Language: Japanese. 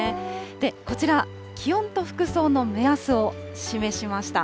こちら、気温と服装の目安を示しました。